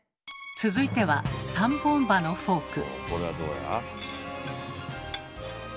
続いては３本歯のフォーク。